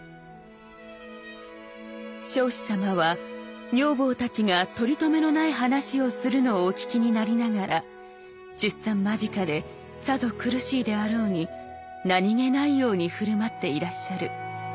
「彰子様は女房たちが取りとめのない話をするのをお聞きになりながら出産間近でさぞ苦しいであろうに何気ないように振る舞っていらっしゃる。